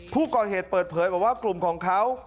ผู้ก่อเหตุเปิดเผยบอกว่ากลุ่มของเขา